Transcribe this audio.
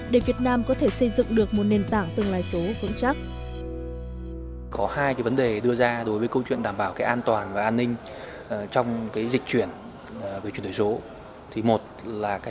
để việt nam có thể xây dựng được một nền tảng tương lai số vững chắc